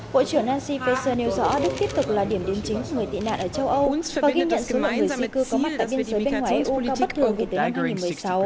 bộ trưởng nancy feser nêu rõ đức tiếp tục là điểm điểm chính người tị nạn ở châu âu và ghi nhận số lượng người di cư có mặt tại biên giới bên ngoài eu cao bất thường kể từ năm hai nghìn một mươi sáu